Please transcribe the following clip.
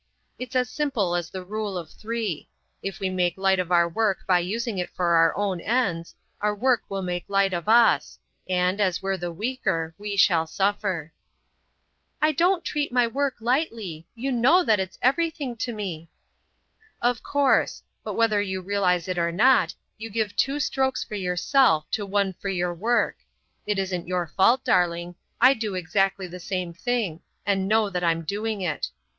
It's as simple as the Rule of Three. If we make light of our work by using it for our own ends, our work will make light of us, and, as we're the weaker, we shall suffer." "I don't treat my work lightly. You know that it's everything to me." "Of course; but, whether you realise it or not, you give two strokes for yourself to one for your work. It isn't your fault, darling. I do exactly the same thing, and know that I'm doing it.